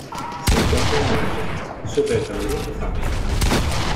Se encuentran en África: sur del Camerún y Zambia.